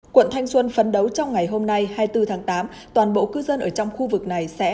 quận thanh xuân phấn đấu trong ngày hôm nay hai mươi bốn tháng tám toàn bộ cư dân ở trong khu vực này sẽ